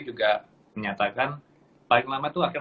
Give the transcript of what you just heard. juga menyatakan paling lama itu akhirnya